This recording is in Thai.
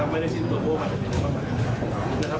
ไม่ได้ชินตัวโภคมากกว่า